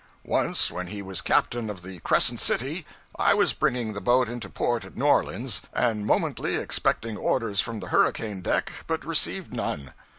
Once when he was captain of the 'Crescent City,' I was bringing the boat into port at New Orleans, and momently expecting orders from the hurricane deck, but received none.